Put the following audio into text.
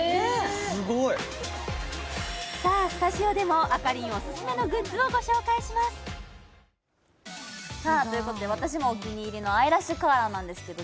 さあスタジオでもアカリンおすすめのグッズをご紹介しますさあということで私もお気に入りのアイラッシュカーラーなんですけど